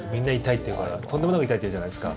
とんでもなく痛いっていうじゃないですか。